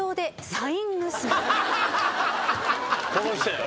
この人や。